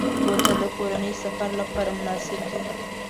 بوتل د کورنۍ سفر لپاره مناسب دی.